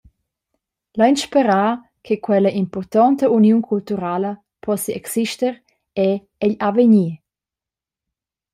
Lein sperar che quella impurtonta uniun culturala possi exister era egl avegnir.